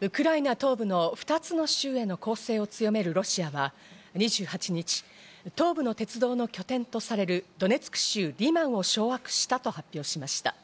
ウクライナ東部の二つの州への攻勢を強めるロシアは、２８日、東部の鉄道の拠点とされるドネツク州リマンを掌握したと発表しました。